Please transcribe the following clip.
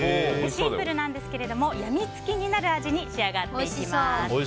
シンプルなんですがやみつきになる味に仕上がっています。